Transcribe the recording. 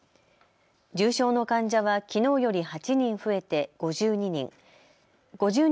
重症の患者はきのうより８人増えて５２人。